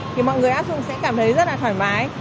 thì mọi người áp dụng sẽ cảm thấy rất là thoải mái